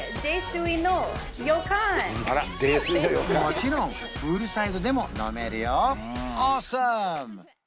もちろんプールサイドでも飲めるよオーサム！